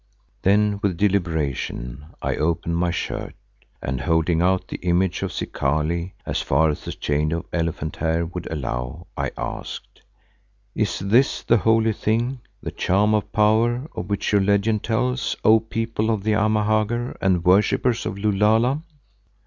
Then with deliberation I opened my shirt and holding out the image of Zikali as far as the chain of elephant hair would allow, I asked, "Is this the holy thing, the charm of power, of which your legend tells, O People of the Amahagger and worshippers of Lulala?"